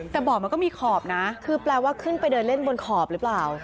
แต่บ่อมันก็มีขอบนะคือแปลว่าขึ้นไปเดินเล่นบนขอบหรือเปล่า